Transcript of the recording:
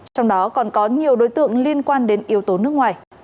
trong đó còn có nhiều đối tượng liên quan đến yếu tố nước ngoài